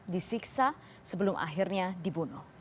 disiksa sebelum akhirnya dibunuh